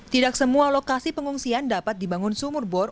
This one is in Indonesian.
tidak semua lokasi pengungsian dapat dibangun sumur bor